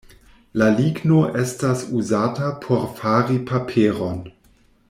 La ligno estas uzata por fari paperon.